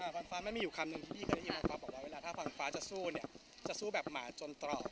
ฟันฟ้าไม่มีอยู่คำนึงที่พี่เคยได้ยินมาฟ้าบอกว่าเวลาถ้าฟันฟ้าจะสู้เนี่ยจะสู้แบบหมาจนตรอก